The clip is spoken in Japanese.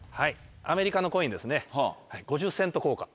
アメリカのコインですね５０セント硬貨